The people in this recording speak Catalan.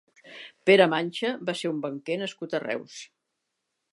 Pere Mancha va ser un banquer nascut a Reus.